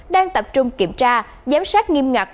đang tập trung kiểm tra giám sát nghiêm ngặt